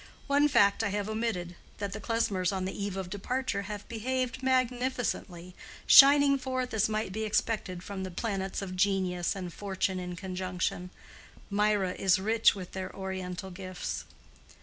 One fact I have omitted—that the Klesmers on the eve of departure have behaved magnificently, shining forth as might be expected from the planets of genius and fortune in conjunction. Mirah is rich with their oriental gifts.